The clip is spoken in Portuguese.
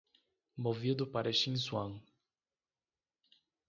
Movido para Xinzhuang